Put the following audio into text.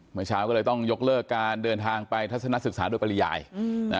เมื่อเช้าก็เลยต้องยกเลิกการเดินทางไปทัศนศึกษาโดยปริยาย